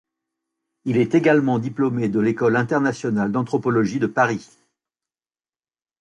Il est également diplômé de l'École internationale d'anthropologie de Paris.